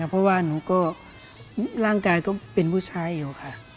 เพราะว่าหนูก็ร่างกายก็เป็นผู้ชายอยู่ค่ะ